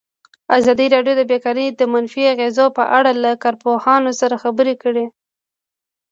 ازادي راډیو د بیکاري د منفي اغېزو په اړه له کارپوهانو سره خبرې کړي.